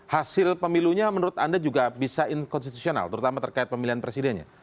hasil pemilunya menurut anda juga bisa inkonstitusional terutama terkait pemilihan presidennya